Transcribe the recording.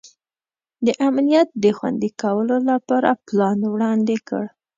د امنیت د خوندي کولو لپاره پلان وړاندي کړ.